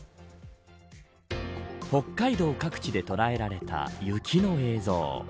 北海道各地で捉えられた雪の映像。